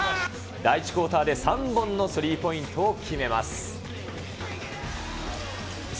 第１クオーターで３本のスリーポイントを決めます。